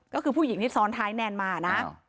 ก็คือผู้หญิงที่ซ้อนท้ายแนนมานะ